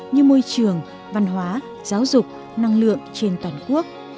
như môi trường văn hóa giáo dục năng lượng trên toàn quốc